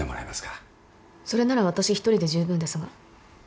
それなら私一人で十分ですが。